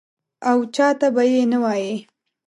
او چا ته به یې نه وایې.